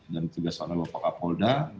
dan digagas oleh bapak kapolda